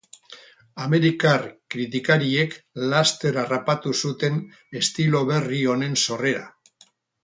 Amerikar kritikariek laster harrapatu zuten estilo berri honen sorrera.